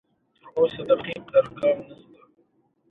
خپور سکون و امیدونه د هر چا وه